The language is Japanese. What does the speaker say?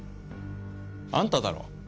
あんただろ？